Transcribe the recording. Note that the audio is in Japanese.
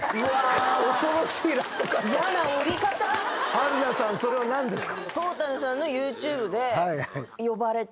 春菜さんそれは何ですか？